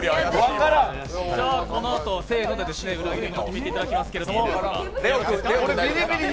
このあとせーので裏切り者を決めていただきますけど。